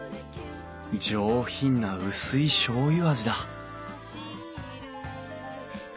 上品な薄いしょうゆ味だ